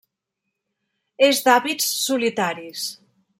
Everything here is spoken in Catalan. És d'hàbits solitaris.